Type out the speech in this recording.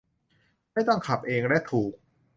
ไม่ต้องขับเอง และถูก